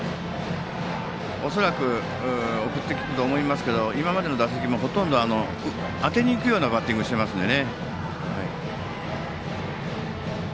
恐らく送ってくると思いますが今までの打席もほとんど当てにいくようなバッティングをしていますから。